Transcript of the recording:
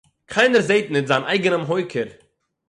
קײנער זעט ניט זײַן אײגענעם הױקער.